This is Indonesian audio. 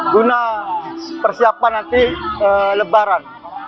guna persiapan nanti lebaran